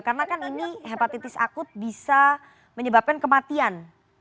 karena kan ini hepatitis akut bisa menyebabkan kematian